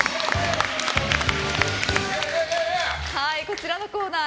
こちらのコーナー